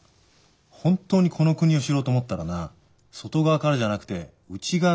本当にこの国を知ろうと思ったらな外側からじゃなくて内側から見ろよ。